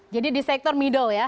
jadi di sektor middle ya